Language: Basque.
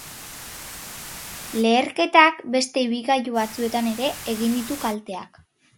Leherketak beste ibilgailu batzuetan ere egin ditu kalteak.